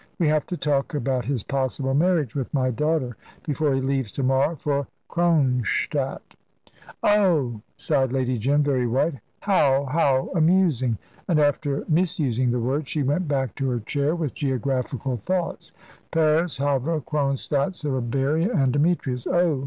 We have to talk about his possible marriage with my daughter, before he leaves to morrow for Kronstadt." "Oh!" sighed Lady Jim, very white. "How how amusing!" and after misusing the word, she went back to her chair with geographical thoughts. Paris Havre Kronstadt Siberia; and Demetrius. "Oh!"